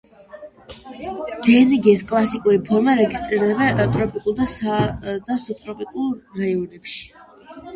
დენგეს კლასიკური ფორმა რეგისტრირდება ტროპიკულ და სუბტროპიკულ რაიონებში.